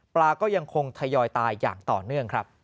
ปลาก็ยังคงทยอยตายอย่างต่อเนื่องครับ